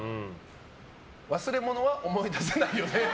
忘れ物は思い出せないよね。